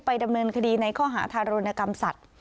ดำเนินคดีในข้อหาทารุณกรรมสัตว์